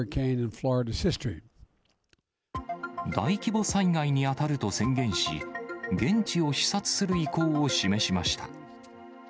大規模災害に当たると宣言し、現地を視察する意向を示しました。